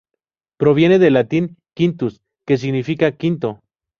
Proviene del latín, "quintus", que significa "quinto".